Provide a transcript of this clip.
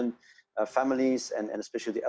untuk bisa memberikan sesuatu kembali